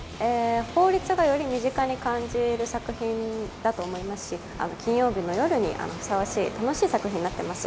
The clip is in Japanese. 法律がより身近に感じる作品だと思いますし、金曜日の夜にふさわしい、楽しい作品になっています。